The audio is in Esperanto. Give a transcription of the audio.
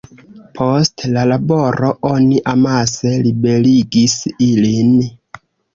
Post la laboro oni amase liberigis ilin.